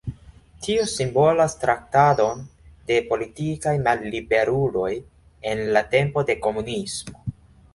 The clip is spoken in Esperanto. Tio simbolas traktadon de politikaj malliberuloj en la tempo de komunismo.